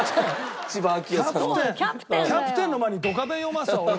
『キャプテン』の前に『ドカベン』読ますわ俺だったら。